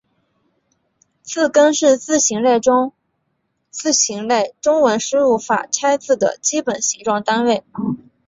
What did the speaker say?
字根是字形类中文输入法拆字的基本形状单位。